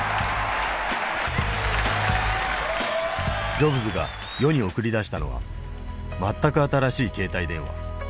ジョブズが世に送り出したのは全く新しい携帯電話。